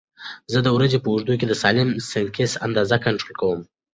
زه د ورځې په اوږدو کې د سالم سنکس اندازه کنټرول کوم.